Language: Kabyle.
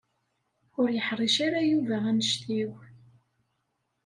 Ur yeḥṛic ara Yuba annect-iw.